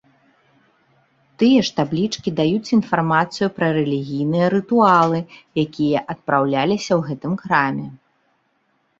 Тыя ж таблічкі даюць інфармацыю пра рэлігійныя рытуалы, якія адпраўляліся ў гэтым храме.